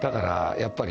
やっぱり